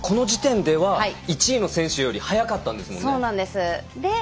この時点では１位の選手より速かったんですもんね。